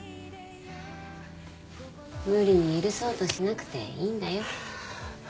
無理に許そうとしなくていいんだよ。